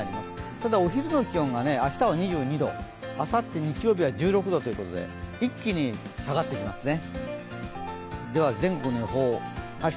ただお昼の気温が明日は２２度、あさって日曜日は１６度ということで一気に下がってきますね。